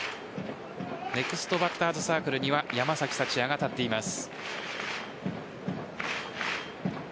ネクストバッターズサークルには山崎福也が立っています。